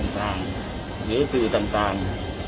หรือสื่อต่าง